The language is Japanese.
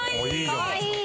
かわいい！